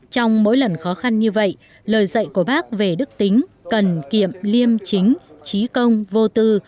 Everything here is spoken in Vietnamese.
trong mỗi lần khó khăn như vậy lời dạy của bác về đức tính cần kiệm liêm chính trí công vô tư